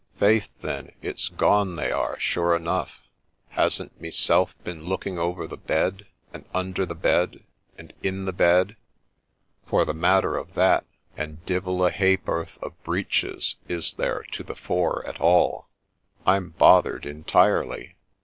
' Faith, then, it 's gone they are, sure enough ! Hasn't meself been looking over the bed, and under the bed, and in the bed, for the matter of that, and divil a ha'p'orth of breeches is there to the fore at all :— I'm bothered entirely